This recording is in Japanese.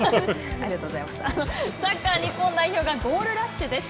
サッカー日本代表がゴールラッシュです。